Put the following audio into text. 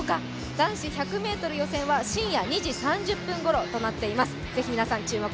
男子１００ｍ予選は深夜２時３０分ごろとなっています。